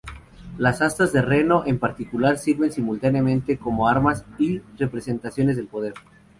Las astas de reno, en particular, sirven simultáneamente como armas y representaciones del poder.